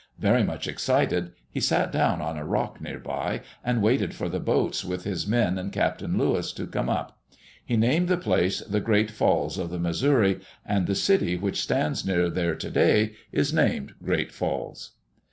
Very much excited, he sat down on a rock near by and waited for the boats, with his men and Captain Lewis, to come up. He named the place the Great Falls of the Missouri, and the city which stands near there today is named Great Falls.